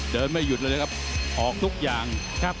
ทำอย่าง